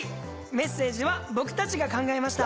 メッセージは僕たちが考えました。